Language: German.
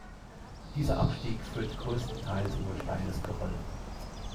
Dieser Abstieg führt größtenteils über steiles Geröll.